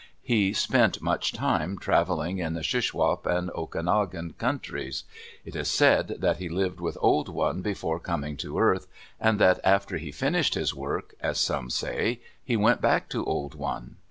He spent much time traveling in the Shuswap and Okanogan countries. It is said that he lived with Old One before coming to earth, and that after he finished his work—as some say—he went back to Old One.